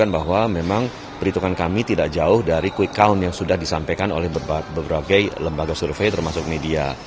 bahwa memang perhitungan kami tidak jauh dari quick count yang sudah disampaikan oleh berbagai lembaga survei termasuk media